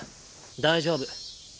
大丈夫。